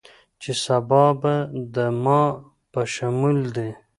چې سبا به دما په شمول دې